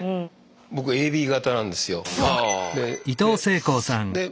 僕ＡＢ型なんですよ。